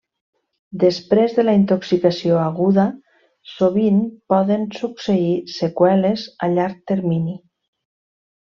Després de la intoxicació aguda, sovint poden succeir seqüeles a llarg termini.